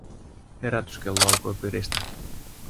Herätyskello alkoi piristä.